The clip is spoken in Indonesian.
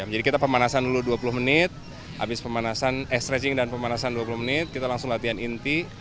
jadi kita pemanasan dulu dua puluh menit abis stretching dan pemanasan dua puluh menit kita langsung latihan inti